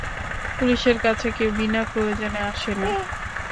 পুলিশের কাছে কেউ বিনা প্রয়োজনে আসে না।